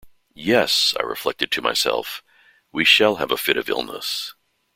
‘Yes!’ I reflected to myself, ‘we shall have a fit of illness'.